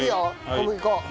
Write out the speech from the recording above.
小麦粉。